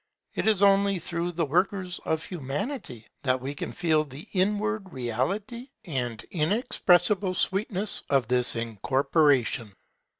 It is only through the workers of Humanity that we can feel the inward reality and inexpressible sweetness of this incorporation.